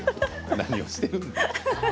何をしているんだ。